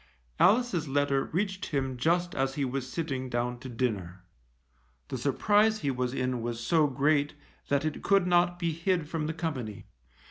Alice's letter reached him just as he was sitting down to dinner. The surprise he was in was so great that it could not be hid from the company.